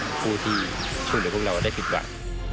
กับผู้ที่ช่วงเดียวพวกเราได้ติดกว่า